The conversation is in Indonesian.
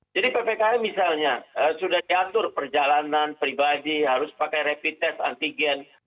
jadi ppkm misalnya sudah diatur perjalanan pribadi harus pakai rapid test antigen